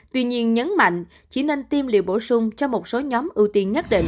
tuy nhiên nhấn mạnh chỉ nên tiêm liệu bổ sung cho một số nhóm ưu tiên nhất định